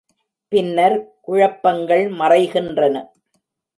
பின்னர் குழப்பங்கள் மறைகின்றன.